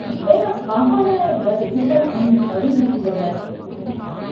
އޭނާ ފާޚާނާޔަށް ވަދެ އިރުކޮޅެއްފަހުން ތަވީދު ޖީބަށް ލައިގެން ނިކުތީ